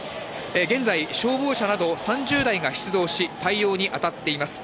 現在、消防車など３０台が出動し、対応に当たっています。